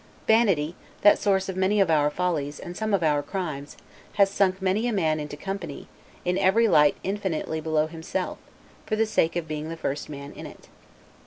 Vanity, that source of many of our follies, and of some of our crimes, has sunk many a man into company, in every light infinitely, below himself, for the sake of being the first man in it.